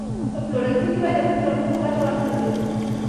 په پلورنځي کې باید د کمو نرخونو ګټه واخیستل شي.